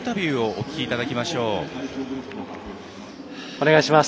お願いします。